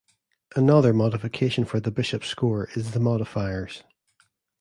Another modification for the Bishop's score is the modifiers.